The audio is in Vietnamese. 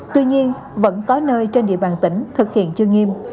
tuy nhiên vẫn có nơi trên địa bàn tỉnh thực hiện chưa nghiêm